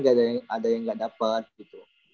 gak ada yang gak dapet gitu